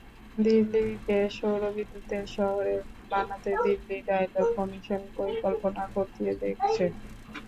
দিল্লিকে সৌর বিদ্যুতের শহরে বানাতে দিল্লি ডায়ালগ কমিশন পরিকল্পনা খতিয়ে দেখছে।